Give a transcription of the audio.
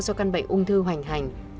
do căn bệnh ung thư hoành hành